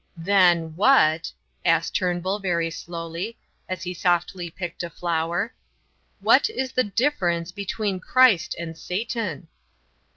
"Then, what," asked Turnbull, very slowly, as he softly picked a flower, "what is the difference between Christ and Satan?"